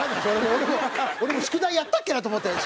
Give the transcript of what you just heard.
俺も宿題やったっけな？と思って。